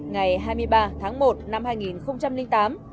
ngày hai mươi ba tháng một năm hai nghìn tám